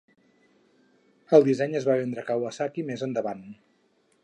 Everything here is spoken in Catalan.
El disseny es va vendre a Kawasaki més endavant.